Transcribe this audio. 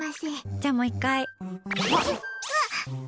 じゃあもう１回。